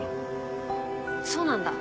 そうなんだ。